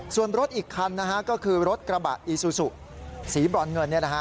ส่วนรถอีกคันนะฮะก็คือรถกระบะอีซูซุสีบรอนเงินเนี่ยนะฮะ